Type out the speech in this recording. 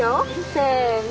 せの。